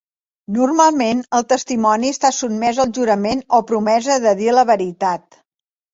Normalment el testimoni està sotmès al jurament o promesa de dir la veritat.